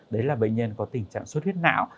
đấy là bệnh nhân có tình trạng xuất huyết nạo